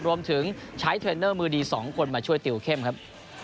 รวมถึงใช้เทรนเนอร์มือดี๒คนมาช่วยติวเข้มครับ